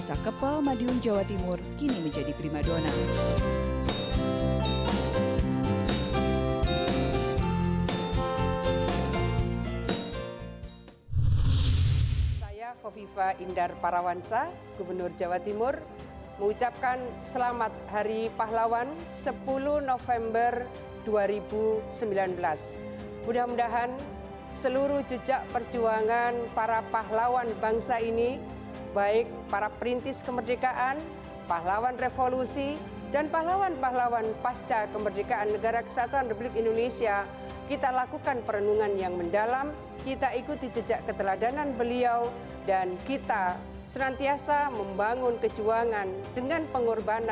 semoga dengan momentum hari pahlawan sepuluh november dua ribu sembilan belas ini membuat kita semakin semangat untuk membangun bangsa dan negara